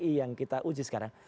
i yang kita uji sekarang